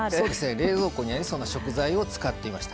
冷蔵庫にありそうな食材を使っていました。